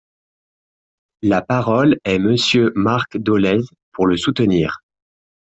La parole est Monsieur Marc Dolez, pour le soutenir.